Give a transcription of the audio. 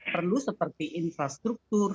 perlu seperti infrastruktur